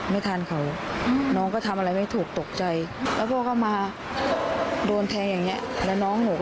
เป็นครั้งสุดท้ายที่ได้เป็นพ่อ